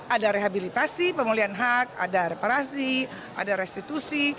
ada rehabilitasi pemulihan hak ada reparasi ada restitusi